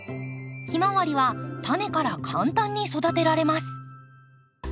ヒマワリはタネから簡単に育てられます。